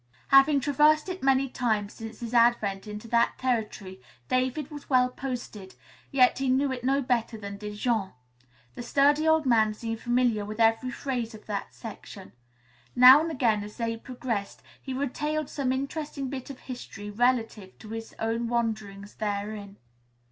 Having traversed it many times since his advent into that territory, David was well posted, yet he knew it no better than did Jean. The sturdy old man seemed familiar with every phase of that section. Now and again as they progressed he retailed some interesting bit of history relative to his own wanderings therein.